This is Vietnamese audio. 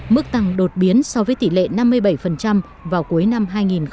mức tăng đột biến so với tỷ lệ năm mươi bảy vào cuối năm hai nghìn một mươi tám